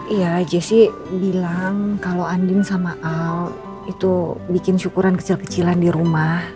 iya jessi bilang kalau andin sama al itu bikin syukuran kecil kecilan di rumah